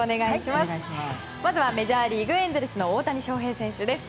まずはメジャーリーグエンゼルスの大谷翔平選手です。